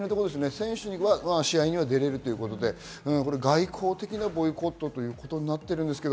選手は試合に出られるということで、外交的なボイコットということです。